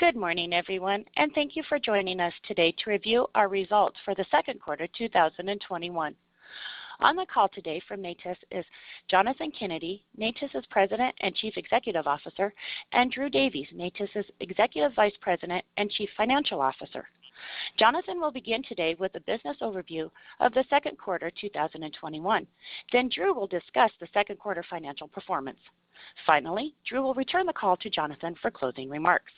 Good morning, everyone. Thank you for joining us today to review our results for the second quarter 2021. On the call today from Natus is Jonathan Kennedy, Natus' President and Chief Executive Officer, and Drew Davies, Natus' Executive Vice President and Chief Financial Officer. Jonathan will begin today with a business overview of the second quarter 2021. Drew will discuss the second quarter financial performance. Finally, Drew will return the call to Jonathan for closing remarks.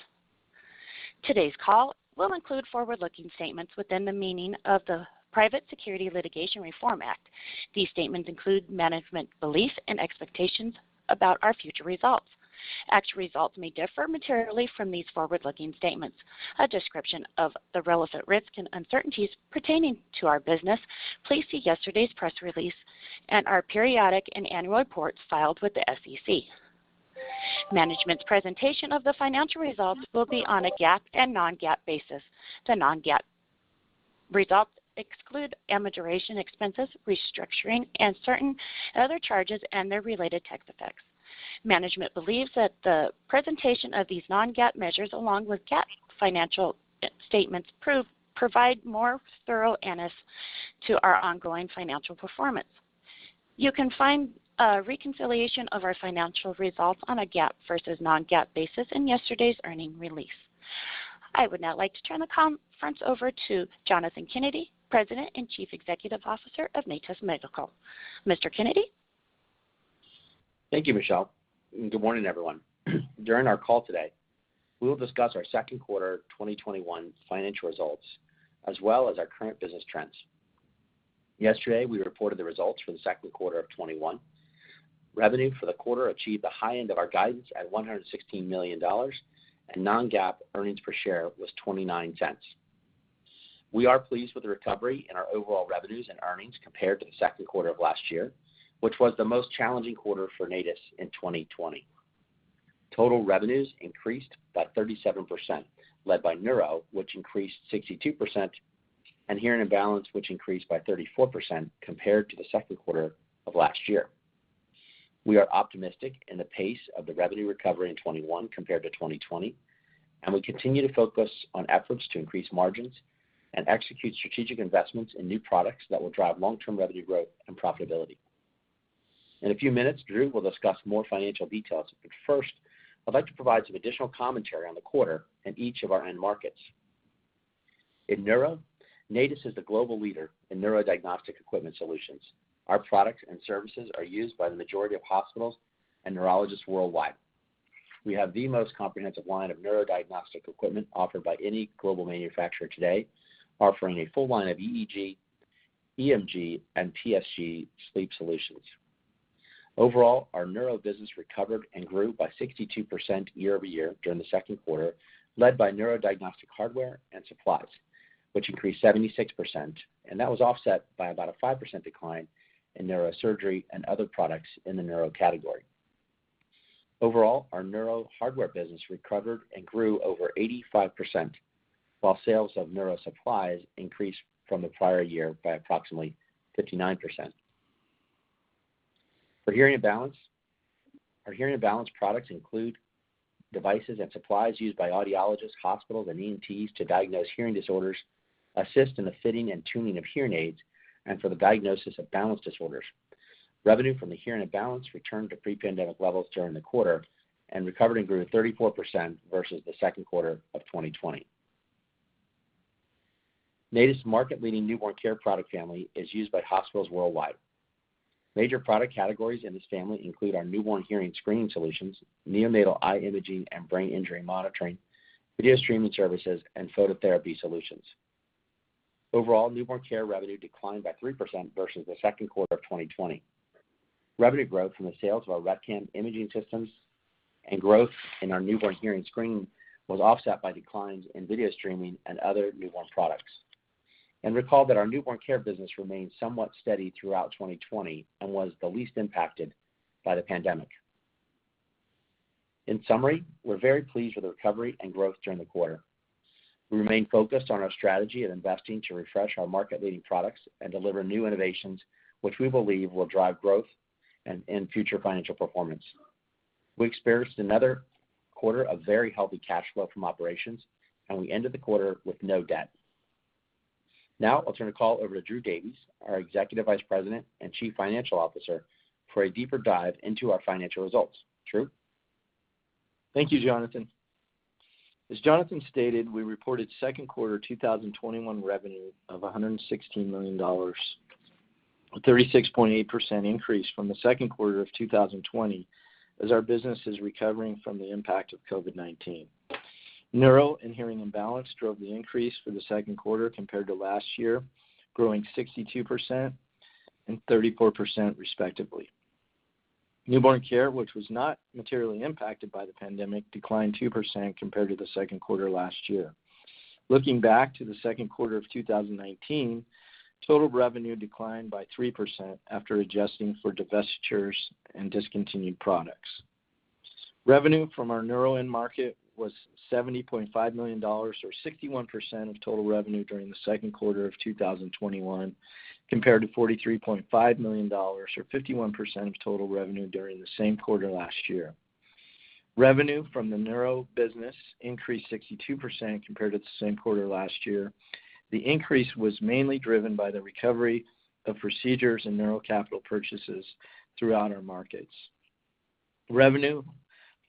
Today's call will include forward-looking statements within the meaning of the Private Securities Litigation Reform Act. These statements include management beliefs and expectations about our future results. Actual results may differ materially from these forward-looking statements. A description of the relevant risks and uncertainties pertaining to our business, please see yesterday's press release and our periodic and annual reports filed with the SEC. Management's presentation of the financial results will be on a GAAP and non-GAAP basis. The non-GAAP results exclude amortization expenses, restructuring, and certain other charges and their related tax effects. Management believes that the presentation of these non-GAAP measures, along with GAAP financial statements, provide more thorough analysis to our ongoing financial performance. You can find a reconciliation of our financial results on a GAAP versus non-GAAP basis in yesterday's earnings release. I would now like to turn the conference over to Jonathan Kennedy, President and Chief Executive Officer of Natus Medical. Mr. Kennedy? Thank you, Michelle. Good morning, everyone. During our call today, we will discuss our second quarter 2021 financial results, as well as our current business trends. Yesterday, we reported the results for the second quarter of 2021. Revenue for the quarter achieved the high end of our guidance at $116 million, and non-GAAP earnings per share was $0.29. We are pleased with the recovery in our overall revenues and earnings compared to the second quarter of last year, which was the most challenging quarter for Natus in 2020. Total revenues increased by 37%, led by Neuro, which increased 62%, and Hearing and Balance, which increased by 34% compared to the second quarter of last year. We are optimistic in the pace of the revenue recovery in 2021 compared to 2020, and we continue to focus on efforts to increase margins and execute strategic investments in new products that will drive long-term revenue growth and profitability. In a few minutes, Drew will discuss more financial details, but first, I'd like to provide some additional commentary on the quarter and each of our end markets. In neuro, Natus is the global leader in neurodiagnostic equipment solutions. Our products and services are used by the majority of hospitals and neurologists worldwide. We have the most comprehensive line of neurodiagnostic equipment offered by any global manufacturer today, offering a full line of EEG, EMG, and PSG sleep solutions. Overall, our neuro business recovered and grew by 62% year-over-year during the second quarter, led by neurodiagnostic hardware and supplies, which increased 76%, and that was offset by about a 5% decline in neurosurgery and other products in the neuro category. Overall, our neuro hardware business recovered and grew over 85%, while sales of neuro supplies increased from the prior year by approximately 59%. For hearing and balance, our hearing and balance products include devices and supplies used by audiologists, hospitals, and ENTs to diagnose hearing disorders, assist in the fitting and tuning of hearing aids, and for the diagnosis of balance disorders. Revenue from the hearing and balance returned to pre-pandemic levels during the quarter and recovered and grew 34% versus the second quarter of 2020. Natus' market-leading newborn care product family is used by hospitals worldwide. Major product categories in this family include our newborn hearing screening solutions, neonatal eye imaging and brain injury monitoring, video streaming services, and phototherapy solutions. Overall, newborn care revenue declined by 3% versus the second quarter of 2020. Revenue growth from the sales of our RetCam imaging systems and growth in our newborn hearing screening was offset by declines in video streaming and other newborn products. Recall that our newborn care business remained somewhat steady throughout 2020 and was the least impacted by the pandemic. In summary, we're very pleased with the recovery and growth during the quarter. We remain focused on our strategy of investing to refresh our market-leading products and deliver new innovations, which we believe will drive growth and future financial performance. We experienced another quarter of very healthy cash flow from operations, and we ended the quarter with no debt. Now I'll turn the call over to Drew Davies, our Executive Vice President and Chief Financial Officer, for a deeper dive into our financial results. Drew? Thank you, Jonathan. As Jonathan stated, we reported second quarter 2021 revenue of $116 million, a 36.8% increase from the second quarter of 2020, as our business is recovering from the impact of COVID-19. Neuro and hearing and balance drove the increase for the second quarter compared to last year, growing 62% and 34% respectively. Newborn care, which was not materially impacted by the pandemic, declined 2% compared to the second quarter last year. Looking back to the second quarter of 2019, total revenue declined by 3% after adjusting for divestitures and discontinued products. Revenue from our neuro end market was $70.5 million, or 61% of total revenue during the second quarter of 2021, compared to $43.5 million or 51% of total revenue during the same quarter last year. Revenue from the neuro business increased 62% compared to the same quarter last year. The increase was mainly driven by the recovery of procedures and neuro capital purchases throughout our markets. Revenue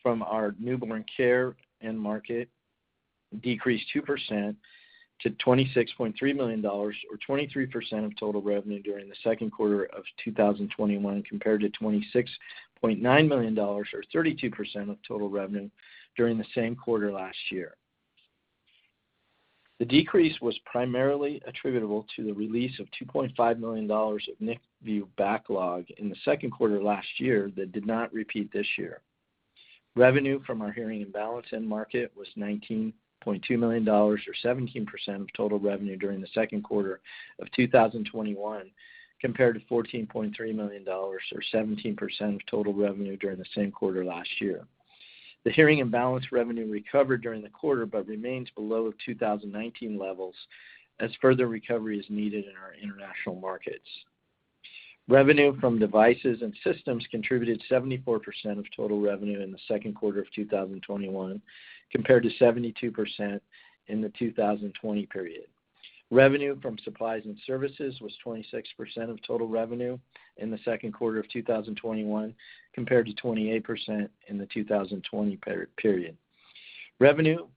from our newborn care end market decreased 2% to $26.3 million, or 23% of total revenue during the second quarter of 2021, compared to $26.9 million, or 32% of total revenue during the same quarter last year. The decrease was primarily attributable to the release of $2.5 million of NICVIEW backlog in the second quarter last year that did not repeat this year. Revenue from our hearing and balance end market was $19.2 million, or 17% of total revenue during the second quarter of 2021, compared to $14.3 million, or 17% of total revenue during the same quarter last year. The hearing and balance revenue recovered during the quarter, remains below 2019 levels as further recovery is needed in our international markets. Revenue from devices and systems contributed 74% of total revenue in the second quarter of 2021, compared to 72% in the 2020 period. Revenue from supplies and services was 26% of total revenue in the second quarter of 2021, compared to 28% in the 2020 period. Revenue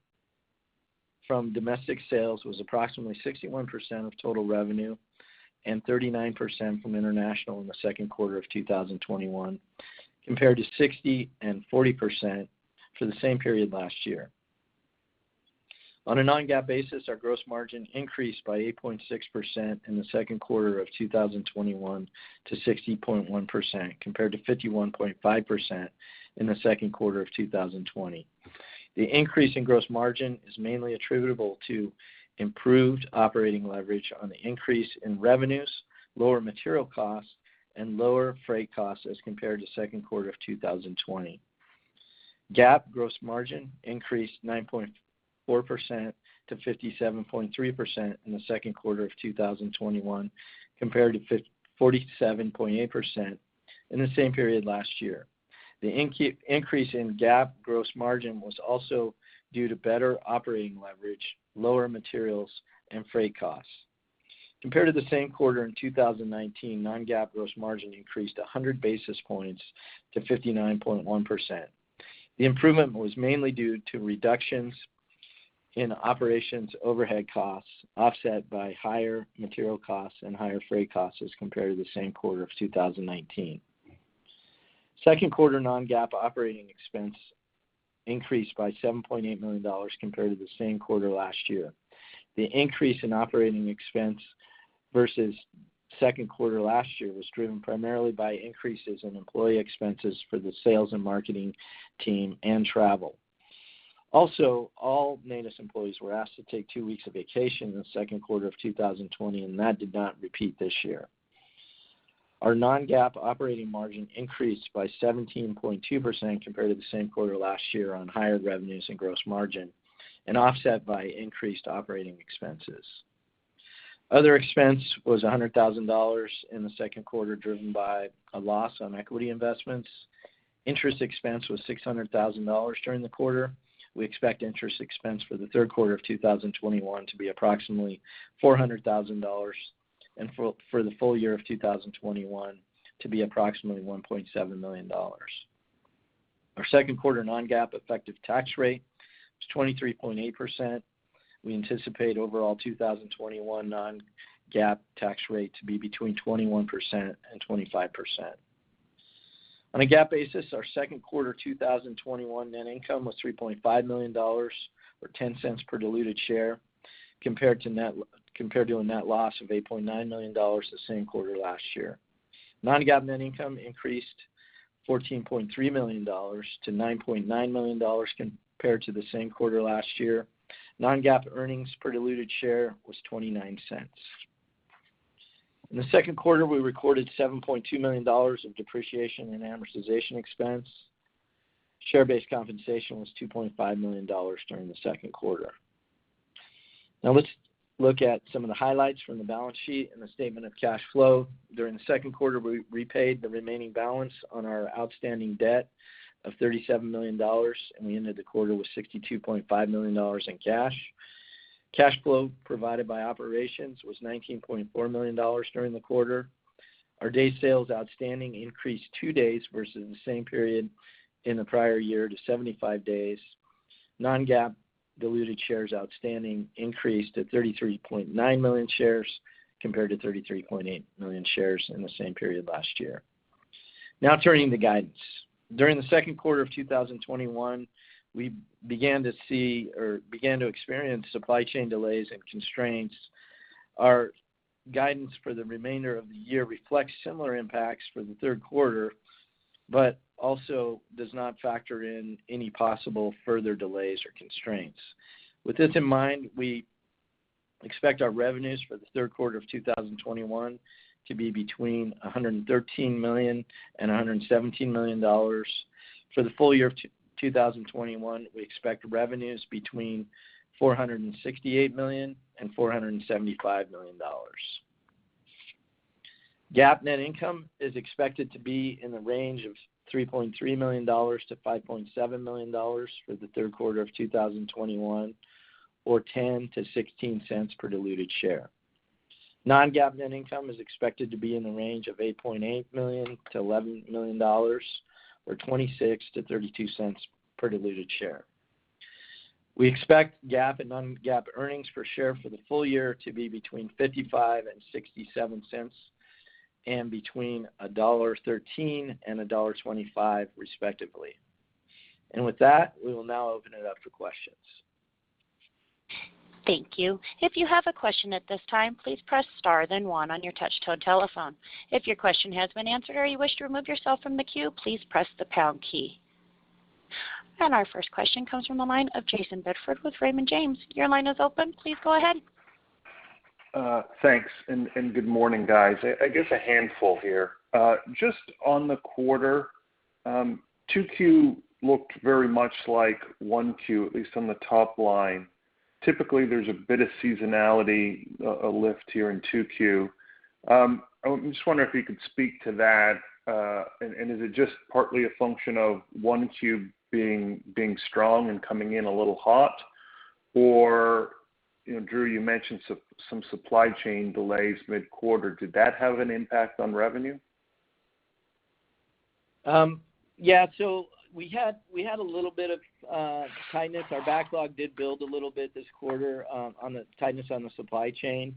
from domestic sales was approximately 61% of total revenue and 39% from international in the second quarter of 2021, compared to 60% and 40% for the same period last year. On a non-GAAP basis, our gross margin increased by 8.6% in the second quarter of 2021 to 60.1%, compared to 51.5% in the second quarter of 2020. The increase in gross margin is mainly attributable to improved operating leverage on the increase in revenues, lower material costs, and lower freight costs as compared to second quarter of 2020. GAAP gross margin increased 9.4%-57.3% in the second quarter of 2021, compared to 47.8% in the same period last year. The increase in GAAP gross margin was also due to better operating leverage, lower materials, and freight costs. Compared to the same quarter in 2019, non-GAAP gross margin increased 100 basis points to 59.1%. The improvement was mainly due to reductions in operations overhead costs, offset by higher material costs and higher freight costs as compared to the same quarter of 2019. Second quarter non-GAAP operating expense increased by $7.8 million compared to the same quarter last year. The increase in operating expense versus second quarter last year was driven primarily by increases in employee expenses for the sales and marketing team and travel. All Natus employees were asked to take two weeks of vacation in the second quarter of 2020, and that did not repeat this year. Our non-GAAP operating margin increased by 17.2% compared to the same quarter last year on higher revenues and gross margin and offset by increased operating expenses. Other expense was $100,000 in the second quarter, driven by a loss on equity investments. Interest expense was $600,000 during the quarter. We expect interest expense for the third quarter of 2021 to be approximately $400,000 and for the full year of 2021 to be approximately $1.7 million. Our second quarter non-GAAP effective tax rate was 23.8%. We anticipate overall 2021 non-GAAP tax rate to be between 21%-25%. On a GAAP basis, our second quarter 2021 net income was $3.5 million, or $0.10 per diluted share, compared to a net loss of $8.9 million the same quarter last year. Non-GAAP net income increased $14.3 million-$9.9 million compared to the same quarter last year. Non-GAAP earnings per diluted share was $0.29. In the second quarter, we recorded $7.2 million of depreciation and amortization expense. Share-based compensation was $2.5 million during the second quarter. Now, let's look at some of the highlights from the balance sheet and the statement of cash flow. During the second quarter, we repaid the remaining balance on our outstanding debt of $37 million, and we ended the quarter with $62.5 million in cash. Cash flow provided by operations was $19.4 million during the quarter. Our day sales outstanding increased two days versus the same period in the prior year to 75 days. Non-GAAP diluted shares outstanding increased to 33.9 million shares, compared to 33.8 million shares in the same period last year. Turning to guidance. During the second quarter of 2021, we began to experience supply chain delays and constraints. Our guidance for the remainder of the year reflects similar impacts for the third quarter, also does not factor in any possible further delays or constraints. With this in mind, we expect our revenues for the third quarter of 2021 to be between $113 million and $117 million. For the full year of 2021, we expect revenues between $468 million and $475 million. GAAP net income is expected to be in the range of $3.3 million-$5.7 million for the third quarter of 2021, or $0.10-$0.16 per diluted share. Non-GAAP net income is expected to be in the range of $8.8 million-$11 million, or $0.26-$0.32 per diluted share. We expect GAAP and non-GAAP earnings per share for the full year to be between $0.55 and $0.67, and between $1.13 and $1.25, respectively. With that, we will now open it up for questions. Thank you. If you have a question at this time, please press star then one on your touch-tone telephone. If your question has been answered or you wish to remove yourself from the queue, please press the pound key. Our first question comes from the line of Jayson Bedford with Raymond James. Your line is open. Please go ahead. Thanks. Good morning, guys. I guess a handful here. Just on the quarter, 2Q looked very much like 1Q, at least on the top line. Typically, there's a bit of seasonality, a lift here in 2Q. I just wonder if you could speak to that. Is it just partly a function of 1Q being strong and coming in a little hot, or Drew, you mentioned some supply chain delays mid-quarter? Did that have an impact on revenue? Yeah. We had a little bit of tightness. Our backlog did build a little bit this quarter on the tightness on the supply chain.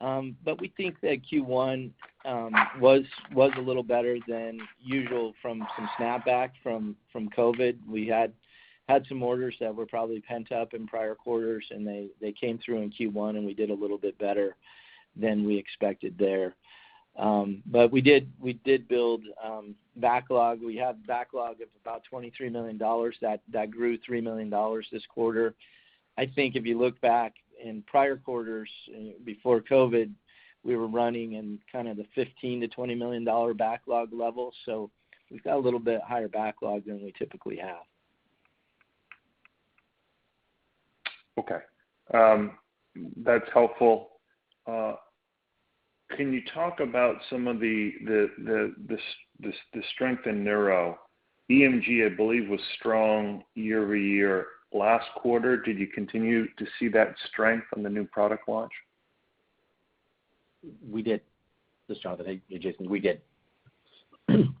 We think that Q1 was a little better than usual from some snapback from COVID. We had some orders that were probably pent up in prior quarters, and they came through in Q1, and we did a little bit better than we expected there. We did build backlog. We have a backlog of about $23 million. That grew $3 million this quarter. I think if you look back in prior quarters before COVID, we were running in kind of the $15 million-$20 million backlog level. We've got a little bit higher backlog than we typically have. Okay. That's helpful. Can you talk about some of the strength in neuro? EMG, I believe, was strong year-over-year last quarter. Did you continue to see that strength from the new product launch? We did. This is Jonathan. Hey, Jayson. We did.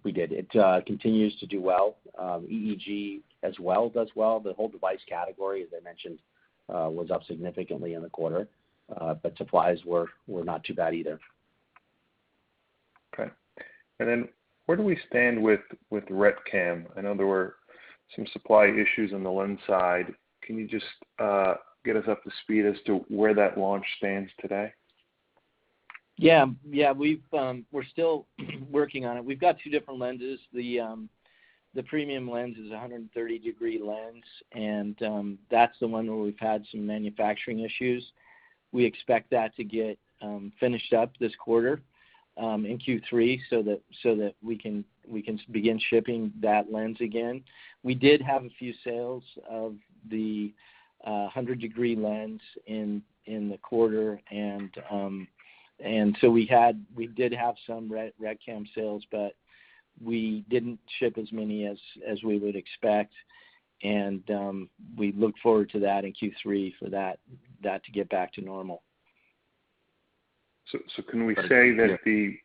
We did. It continues to do well. EEG as well, does well. The whole device category, as I mentioned, was up significantly in the quarter. Supplies were not too bad either. Okay. Then where do we stand with RetCam? I know there were some supply issues on the lens side. Can you just get us up to speed as to where that launch stands today? Yeah. We're still working on it. We've got two different lenses. The premium lens is 130 degree lens, and that's the one where we've had some manufacturing issues. We expect that to get finished up this quarter, in Q3, so that we can begin shipping that lens again. We did have a few sales of the 100 degree lens in the quarter, and so we did have some RetCam sales, but we didn't ship as many as we would expect, and we look forward to that in Q3 for that to get back to normal. Can we say that the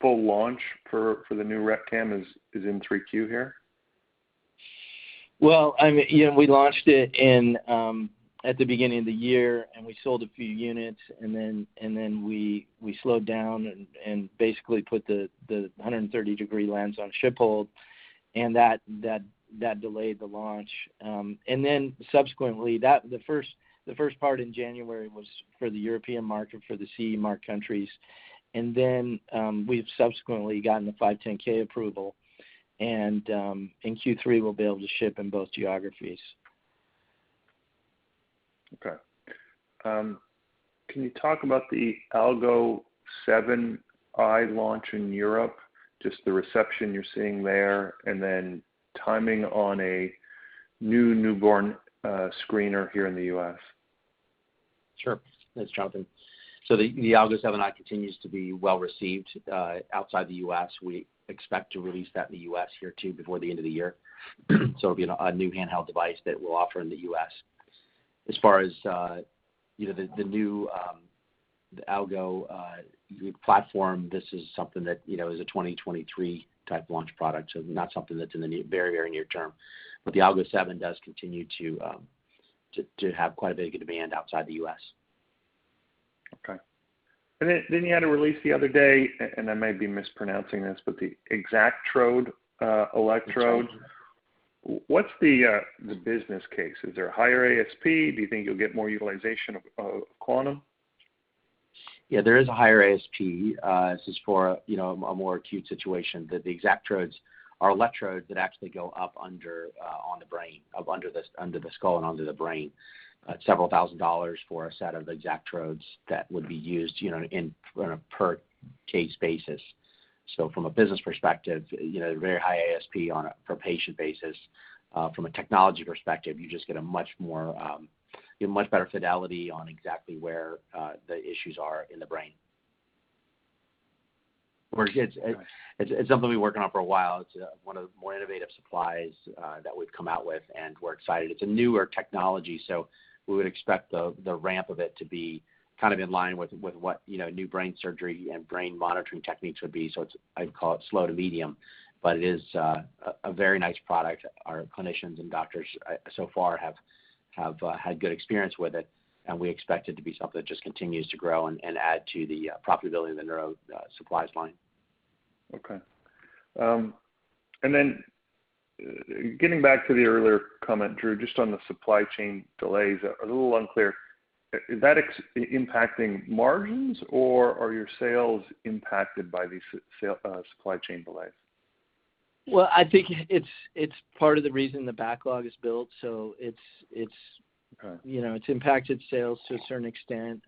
full launch for the new RetCam is in 3Q here? Well, we launched it at the beginning of the year, and we sold a few units, and then we slowed down and basically put the 130-degree lens on ship hold, and that delayed the launch. Subsequently, the first part in January was for the European market, for the CE marking countries. We've subsequently gotten the 510 approval, and in Q3, we'll be able to ship in both geographies. Okay. Can you talk about the ALGO 7i launch in Europe, just the reception you're seeing there, and then timing on a new newborn screener here in the U.S.? Sure. This is Jonathan. The ALGO 7i continues to be well-received outside the U.S. We expect to release that in the U.S. here, too, before the end of the year. It'll be a new handheld device that we'll offer in the U.S. As far as the new ALGO platform, this is something that is a 2023 type launch product, not something that's in the very near term. The ALGO 7i does continue to have quite a bit of demand outside the U.S. Okay. Then you had a release the other day, and I may be mispronouncing this, but the XactTrode, electrode. What's the business case? Is there a higher ASP? Do you think you'll get more utilization of Quantum? Yeah, there is a higher ASP. This is for a more acute situation. The XactTrodes are electrodes that actually go up under the skull and onto the brain. Several thousand dollars for a set of XactTrodes that would be used on a per case basis. From a business perspective, very high ASP on a per patient basis. From a technology perspective, you just get much better fidelity on exactly where the issues are in the brain. It's something we've been working on for a while. It's one of the more innovative supplies that we've come out with, and we're excited. It's a newer technology, we would expect the ramp of it to be in line with what new brain surgery and brain monitoring techniques would be. I'd call it slow to medium, it is a very nice product. Our clinicians and doctors so far have had good experience with it, and we expect it to be something that just continues to grow and add to the profitability of the neuro supplies line. Okay. Getting back to the earlier comment, Drew, just on the supply chain delays, a little unclear, is that impacting margins, or are your sales impacted by these supply chain delays? Well, I think it's part of the reason the backlog is built. Okay. Impacted sales to a certain extent.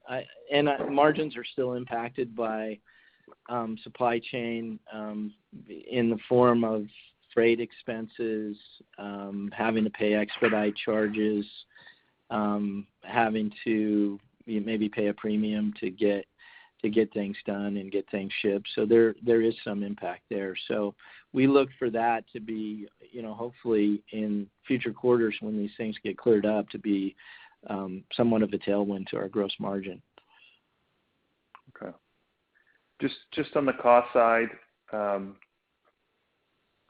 Margins are still impacted by supply chain in the form of freight expenses, having to pay expedite charges, having to maybe pay a premium to get things done and get things shipped. There is some impact there. We look for that to be, hopefully in future quarters when these things get cleared up, to be somewhat of a tailwind to our gross margin. Okay. Just on the cost side,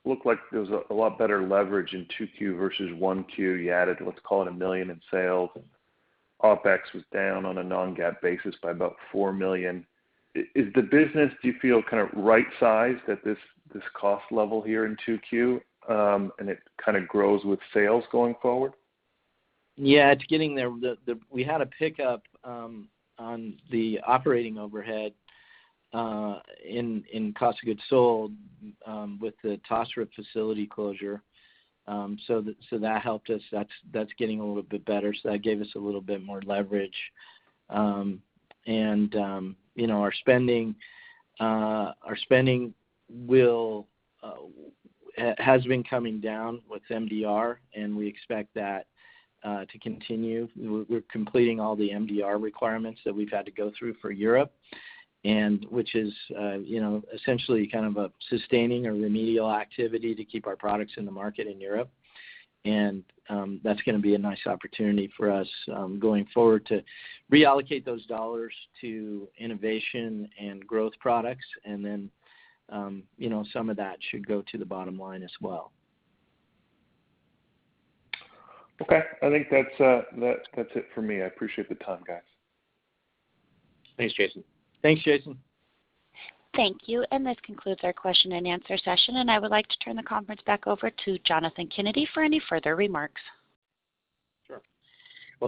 looked like there was a lot better leverage in Q2 versus Q1. You added, let's call it $1 million in sales, OpEx was down on a non-GAAP basis by about $4 million. Is the business, do you feel, kind of right-sized at this cost level here in Q2, and it kind of grows with sales going forward? Yeah, it's getting there. We had a pickup on the operating overhead in cost of goods sold with the Taastrup facility closure. That helped us. That's getting a little bit better. That gave us a little bit more leverage. Our spending has been coming down with MDR, and we expect that to continue. We're completing all the MDR requirements that we've had to go through for Europe, and which is essentially kind of a sustaining or remedial activity to keep our products in the market in Europe. That's going to be a nice opportunity for us going forward to reallocate those dollars to innovation and growth products. Some of that should go to the bottom line as well. Okay. I think that's it for me. I appreciate the time, guys. Thanks, Jayson. Thanks, Jayson. Thank you. This concludes our question and answer session. I would like to turn the conference back over to Jonathan Kennedy for any further remarks. Sure.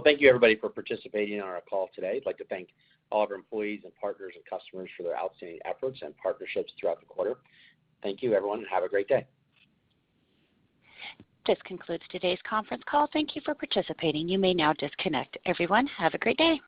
Thank you everybody for participating on our call today. I'd like to thank all of our employees and partners and customers for their outstanding efforts and partnerships throughout the quarter. Thank you, everyone. Have a great day. This concludes today's conference call. Thank you for participating. You may now disconnect. Everyone, have a great day.